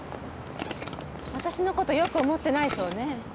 私のことよく思ってないそうね。